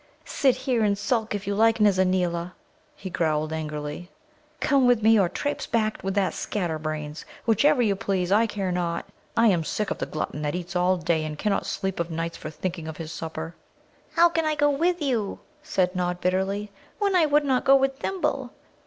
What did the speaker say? "Sit here and sulk, if you like, Nizza neela," he growled angrily. "Come with me, or traipse back with that scatterbrains. Whichever you please, I care not. I am sick of the glutton that eats all day and cannot sleep of nights for thinking of his supper." "How can I go with you," said Nod bitterly, "when I would not go with Thimble?